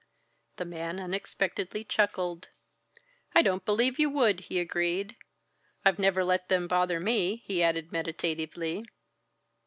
The man unexpectedly chuckled. "I don't believe you would!" he agreed. "I've never let them bother me," he added meditatively.